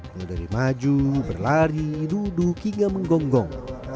mulai dari maju berlari duduk hingga menggonggong